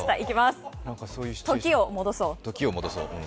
時を戻そう。